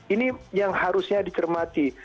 ini yang harusnya dicermati